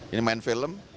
ini main film